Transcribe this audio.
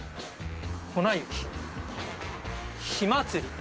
粉雪火祭。